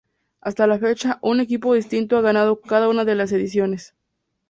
Hasta la fecha, un equipo distinto ha ganado cada una de las ediciones.